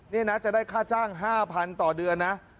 นี่นะจะได้ค่าจ้าง๕๐๐๐ต่อเดือนนะ